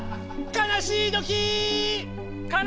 かなしいときー！